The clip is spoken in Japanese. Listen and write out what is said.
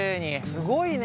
すごいね。